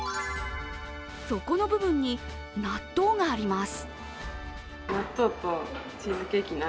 底の部分に納豆があります。